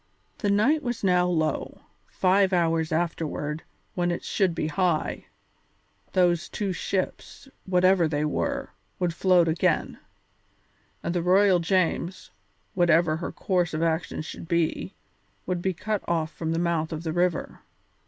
The tide was now low; five hours afterward, when it should be high, those two ships, whatever they were, would float again, and the Royal James, whatever her course of action should be, would be cut off from the mouth of the river.